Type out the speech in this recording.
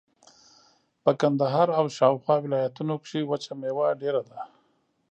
په کندهار او شاوخوا ولایتونو کښې وچه مېوه ډېره ده.